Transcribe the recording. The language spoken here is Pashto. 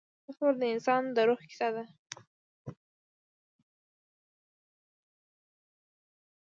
دا سفر د انسان د روح کیسه ده.